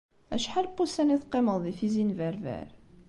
Acḥal n wussan i teqqimeḍ di Tizi n Berber?